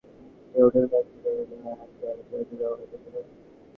তাহাদিগকে শ্বেতকায়গণের সহিত এক হোটেলে থাকিতে বা এক যানে চড়িতে দেওয়া হয় না।